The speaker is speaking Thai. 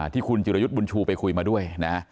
ที่คุณจิรยุทธ์บุญชูไปคุยมาด้วยนะ